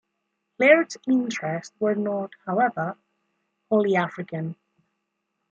Laird's interests were not, however, wholly African.